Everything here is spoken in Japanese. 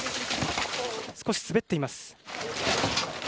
少し滑っています。